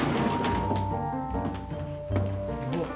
うわっ。